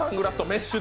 メッシュ！